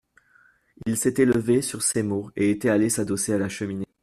Il s'était levé, sur ces mots, et était allé s'adosser à la cheminée.